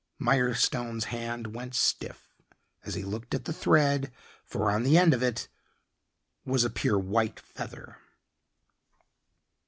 Mirestone's hand went stiff as he looked at the thread, for on the end of it was a pure white feather.